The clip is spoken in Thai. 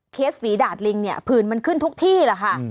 เคสฝีดาตรลิงเนี่ยผืนมันขึ้นทุกที่แล้วค่ะ